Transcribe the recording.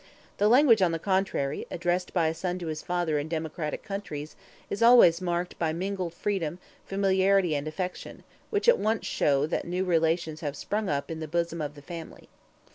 The language, on the contrary, addressed by a son to his father in democratic countries is always marked by mingled freedom, familiarity and affection, which at once show that new relations have sprung up in the bosom of the family.